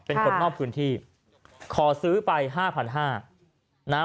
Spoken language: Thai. เป็นคนนอกพื้นที่ขอซื้อไปห้าพันห้านะฮะ